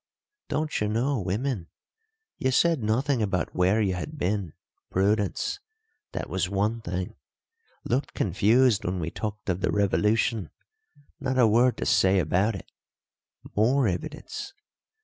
Don't you know women? You said nothing about where you had been prudence. That was one thing. Looked confused when we talked of the revolution not a word to say about it. More evidence.